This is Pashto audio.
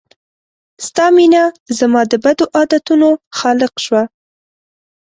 ستا مينه زما د بدو عادتونو خالق شوه